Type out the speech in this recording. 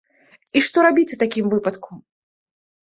І што рабіць у такім выпадку?